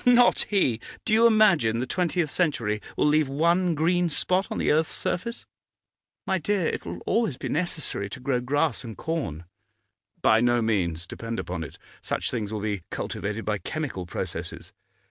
'Not he! Do you imagine the twentieth century will leave one green spot on the earth's surface?' 'My dear, it will always be necessary to grow grass and corn.' 'By no means; depend upon it. Such things will be cultivated by chemical processes.